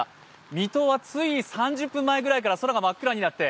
水戸はつい３０分まえぐらいから空が真っ暗になって